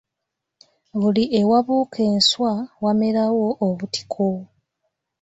Buli ewabuuka enswa wamerawo obutiko.